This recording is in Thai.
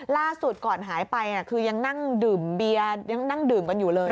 ล่าสุดก่อนหายไปคือยังนั่งดื่มเบียร์ยังนั่งดื่มกันอยู่เลย